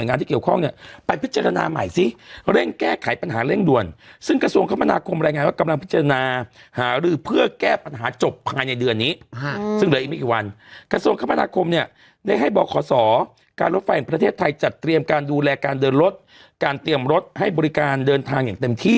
งานที่เกี่ยวข้องเนี่ยไปพิจารณาใหม่ซิเร่งแก้ไขปัญหาเร่งด่วนซึ่งกระทรวงคมนาคมรายงานว่ากำลังพิจารณาหารือเพื่อแก้ปัญหาจบภายในเดือนนี้ซึ่งเหลืออีกไม่กี่วันกระทรวงคมนาคมเนี่ยได้ให้บขศการรถไฟแห่งประเทศไทยจัดเตรียมการดูแลการเดินรถการเตรียมรถให้บริการเดินทางอย่างเต็มที่